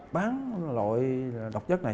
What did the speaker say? bán loại độc chất này